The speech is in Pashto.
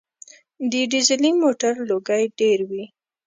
د ډیزلي موټر لوګی ډېر وي.